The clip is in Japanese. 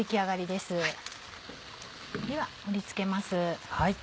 では盛り付けます。